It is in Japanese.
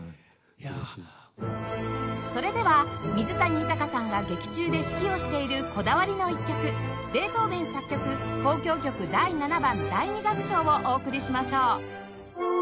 それでは水谷豊さんが劇中で指揮をしているこだわりの一曲ベートーヴェン作曲『交響曲第７番』第２楽章をお送りしましょう